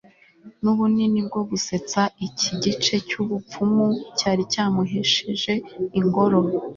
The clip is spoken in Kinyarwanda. nubunini bwo gusetsa iki gice cyubupfumu cyari cyamuhesheje ingoro